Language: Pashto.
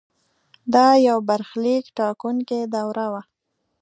دا یو برخلیک ټاکونکې دوره وه.